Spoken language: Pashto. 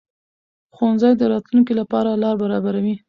ښوونځی د راتلونکي لپاره لار برابروي